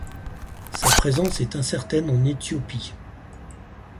Sa présence est incertaine en Éthiopie.